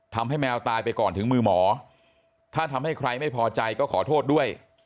ทำให้แมวตายไปก่อนถึงมือหมอถ้าทำให้ใครไม่พอใจก็ขอโทษด้วย